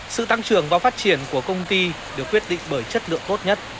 sự tăng trưởng và phát triển của công ty được quyết định bởi chất lượng tốt nhất